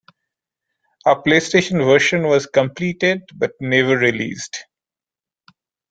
A PlayStation version was completed, but never released.